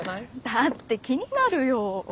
だって気になるよ。